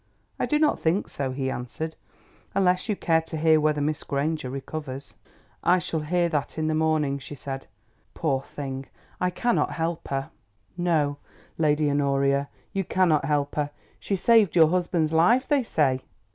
"I do not think so," he answered, "unless you care to hear whether Miss Granger recovers?" "I shall hear that in the morning," she said. "Poor thing, I cannot help her." "No, Lady Honoria, you cannot help her. She saved your husband's life, they say."